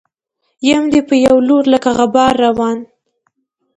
يم دې په يو لور لکه غبار روان